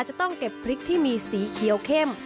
จะต้องเก็บพริกที่มีสีเขียวเข้ม